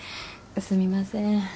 すみません。